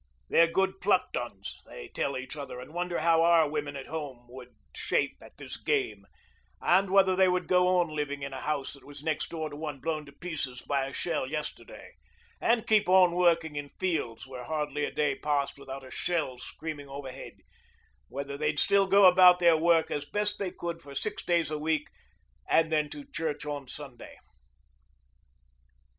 'They're good plucked 'uns,' they tell each other, and wonder how our women at home would shape at this game, and whether they would go on living in a house that was next door to one blown to pieces by a shell yesterday, and keep on working in fields where hardly a day passed without a shell screaming overhead, whether they'd still go about their work as best they could for six days a week and then to church on Sunday.